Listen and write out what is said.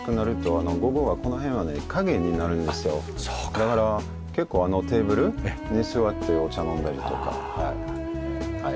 だから結構あのテーブルに座ってお茶飲んだりとかはい。